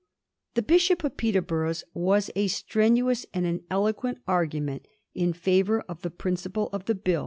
The Bishop of Peterborough's was a strenuous and an elo quent argument in favour of the principle of the BiD.